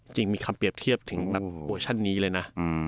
จริงมีคำเปรียบเทียบถึงนักเวอร์ชันนี้เลยนะ